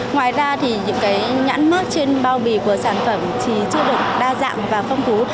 ngoài ra thì những cái nhãn mát trên bao bì của sản phẩm thì chưa được đa dạng và phong phú